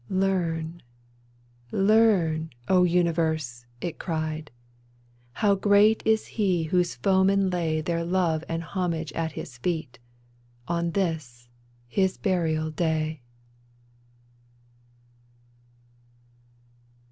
" Learn, learn, O universe," it cried, " How great is he whose foemen lay Their love and homage at his feet, On this — his burial day